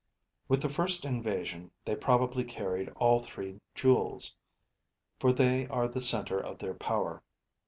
With the first invasion, they probably carried all three jewels, for they are the center of their power.